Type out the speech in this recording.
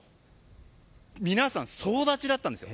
皆さん、総立ちだったんですよ。